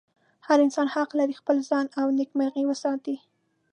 هر انسان حق لري خپل ځان او نېکمرغي وساتي.